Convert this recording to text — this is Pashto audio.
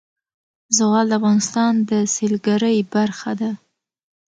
زغال د افغانستان د سیلګرۍ برخه ده.